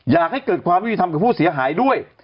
อยากให้เกิดความยุติธรรมกับผู้เสียหายด้วย